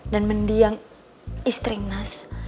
dan mendiang istri mas